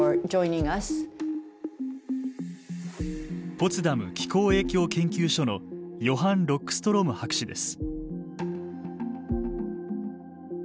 ポツダム気候影響研究所のヨハン・ロックストローム博士です。